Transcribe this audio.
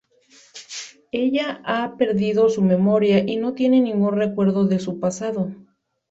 Ella ha perdido su memoria y no tiene ningún recuerdo de su pasado.